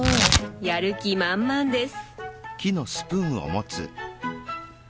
やる気満々です。